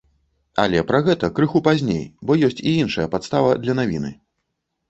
Але пра гэта крыху пазней, бо ёсць і іншая падстава для навіны.